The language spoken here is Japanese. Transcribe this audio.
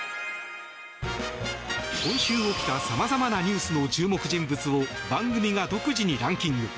今週起きた様々なニュースの注目人物を番組が独自にランキング。